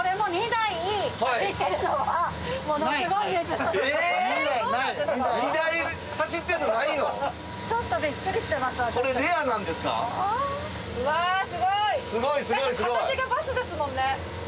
だって形がバスですもんね。